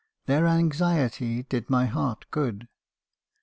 Their anxiety did my heart good.